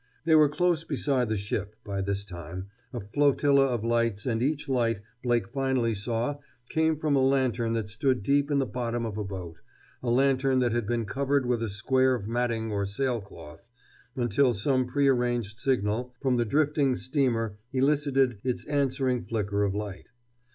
They were close beside the ship, by this time, a flotilla of lights, and each light, Blake finally saw, came from a lantern that stood deep in the bottom of a boat, a lantern that had been covered with a square of matting or sail cloth, until some prearranged signal from the drifting steamer elicited its answering flicker of light.